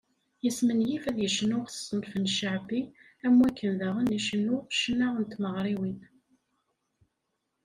Yesmenyif ad yecnu s ṣṣenf n cceɛbi, am wakken daɣen icennu ccna n tmeɣriwin.